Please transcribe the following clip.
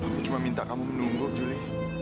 saya cuma minta kamu menunggu juli